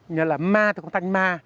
nhưng mà là ma thì con thanh ma